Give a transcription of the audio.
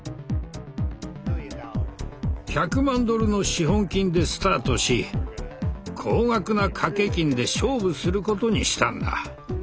１００万ドルの資本金でスタートし高額な賭け金で勝負することにしたんだ。